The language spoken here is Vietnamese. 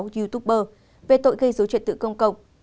youtuber về tội gây dối chuyện tự công cộng